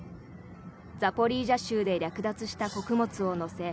ザポリージャ州で略奪した穀物を載せ